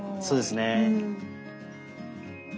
そうですね。